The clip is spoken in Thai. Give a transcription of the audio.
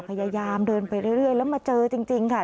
พยายามเดินไปเรื่อยแล้วมาเจอจริงค่ะ